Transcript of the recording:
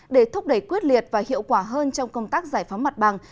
để thúc đẩy quyết liệt và hiệu quả hơn trong công tác giải phóng mặt bằng